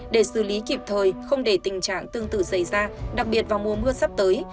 để xử lý kịp thời không để tình trạng tương tự xảy ra đặc biệt vào mùa mưa sắp tới